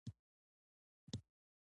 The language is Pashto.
منډه د ژوند تر ټولو اسانه ورزش دی